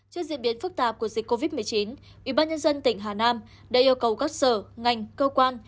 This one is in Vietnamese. trước diễn biến phức tạp của dịch covid một mươi chín ubnd tỉnh hà nam đã yêu cầu các sở ngành cơ quan